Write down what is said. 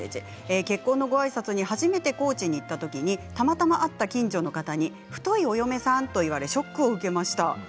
結婚のごあいさつに初めて高知に行ったときにたまたま会った近所の方にふといお嫁さんと言われショックを受けました。